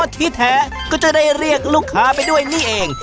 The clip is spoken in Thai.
ที่แท้ก็จะได้เรียกลูกค้าไปด้วยนี่เอง